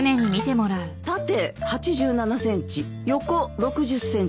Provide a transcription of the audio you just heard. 縦８７ｃｍ横６０ｃｍ